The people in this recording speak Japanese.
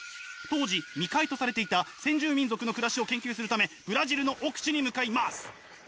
当時未開とされていた先住民族の暮らしを研究するためブラジルの奥地に向かいます！